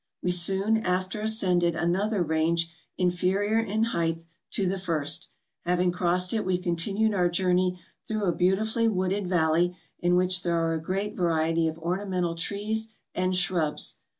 We soon after ascended another range in¬ ferior in height to the first; having crossed it we continued our journey through a beautifully wooded valley in which there are a great variety of orna¬ mental trees and shrubs.